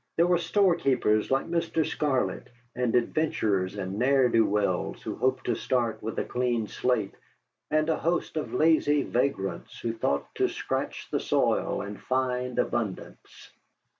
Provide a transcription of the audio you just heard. There were storekeepers like Mr. Scarlett, adventurers and ne'er do weels who hoped to start with a clean slate, and a host of lazy vagrants who thought to scratch the soil and find abundance.